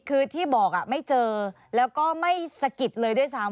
คือที่บอกไม่เจอแล้วก็ไม่สะกิดเลยด้วยซ้ำ